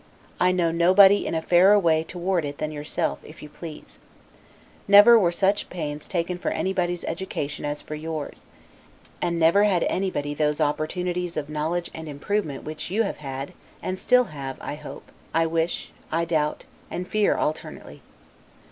I know nobody in a fairer way toward it than yourself, if you please. Never were so much pains taken for anybody's education as for yours; and never had anybody those opportunities of knowledge and improvement which you, have had, and still have, I hope, I wish, I doubt, and fear alternately.